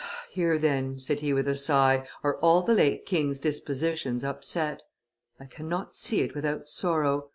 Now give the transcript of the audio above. "Here, then," said he with a sigh, "are all the late king's dispositions upset; I cannot see it without sorrow.